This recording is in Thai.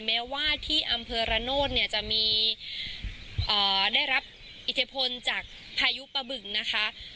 แม้ว่าที่อำเภอระโนธเนี่ยจะมีได้รับอิทธิพลจากพายุปะบึงนะคะ